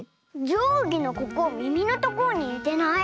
じょうぎのここみみのところににてない？